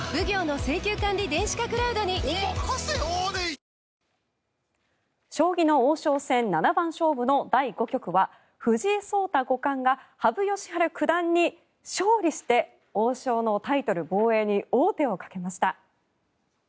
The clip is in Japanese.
本麒麟将棋の王将戦七番勝負の第５局は藤井聡太五冠が羽生善治九段に勝利して王将のタイトル防衛に王手をかけました。